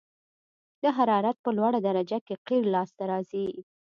د حرارت په لوړه درجه کې قیر لاسته راځي